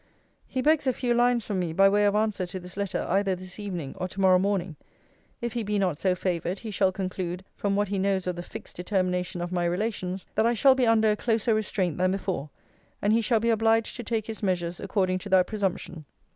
'He begs a few lines from me by way of answer to this letter, either this evening, or to morrow morning. If he be not so favoured, he shall conclude, from what he knows of the fixed determination of my relations, that I shall be under a closer restraint than before: and he shall be obliged to take his measures according to that presumption.'